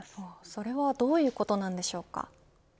それはどういうことなんでしょうか。